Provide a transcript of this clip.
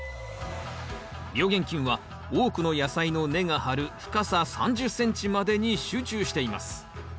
病原菌は多くの野菜の根が張る深さ３０ｃｍまでに集中しています。